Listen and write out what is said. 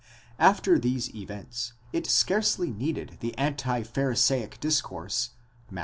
After these events, it scarcely needed the anti Pharisaic discourse Matt.